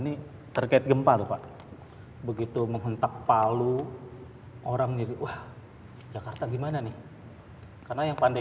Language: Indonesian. lihat gempa lupa begitu menghentak palu orang jadi wah jakarta gimana nih karena yang pandai